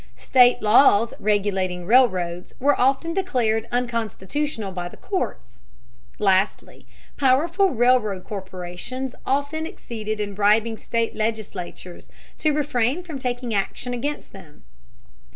State laws regulating railroads were often declared unconstitutional by the courts. Lastly, powerful railroad corporations often succeeded in bribing state legislatures to refrain from taking action against them.